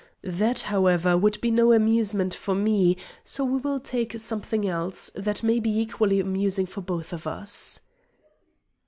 That, however, would be no amusement for me, so we will take something else, that may be equally amusing for both of us."